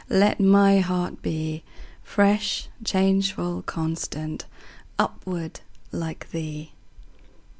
Let my heart be Fresh, changeful, constant, Upward, like thee!